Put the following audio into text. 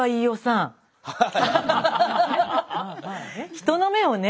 人の目をね